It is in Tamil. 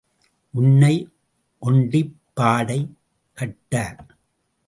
உன்னை ஒண்டிப் பாடை கட்ட.